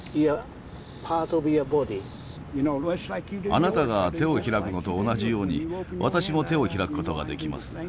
あなたが手を開くのと同じように私も手を開くことができます。